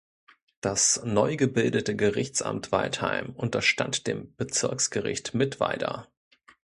Das neu gebildete Gerichtsamt Waldheim unterstand dem Bezirksgericht Mittweida.